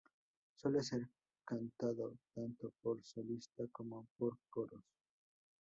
Suele ser cantado tanto por solista como por coros.